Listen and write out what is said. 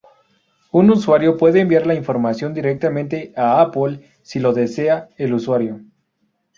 Un usuario puede enviar la información directamente a Apple si lo desea el usuario.